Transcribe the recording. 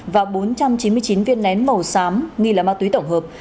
và bốn trăm chín mươi chín viên nén màu xám nghi là ma túy tổng hợp